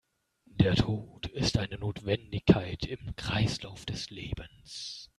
Der Tod ist eine Notwendigkeit im Kreislauf des Lebens.